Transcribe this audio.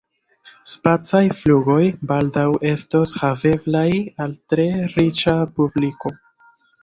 Spacaj flugoj baldaŭ estos haveblaj al tre riĉa publiko.